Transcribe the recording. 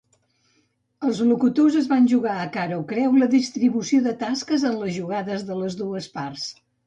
Els locutors es van jugar a cara o creu la distribució de tasques en les jugades de les dues parts.